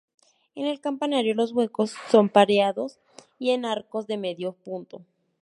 En el campanario los huecos son pareados y en arco de medio punto.